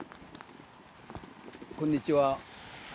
こんにちは。